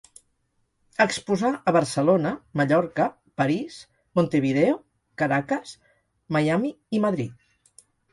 Exposà a Barcelona, Mallorca, París, Montevideo, Caracas, Miami i Madrid.